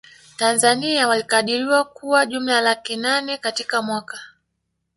Tanzania walikadiriwa kuwa jumla ya laki nane katika mwaka